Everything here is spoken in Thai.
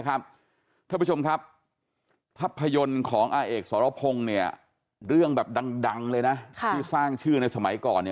ท่านผู้ชมครับภาพยนตร์ของอาเอกสรพงศ์เนี่ยเรื่องแบบดังเลยนะที่สร้างชื่อในสมัยก่อน